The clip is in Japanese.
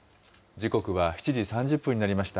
時刻は７時３０分になりました。